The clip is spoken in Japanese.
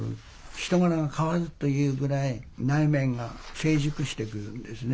人柄が変わるというぐらい内面が成熟してくるんですね。